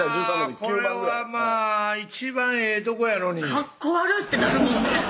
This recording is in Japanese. これはまぁ一番ええとこやのにかっこ悪ってなるもんね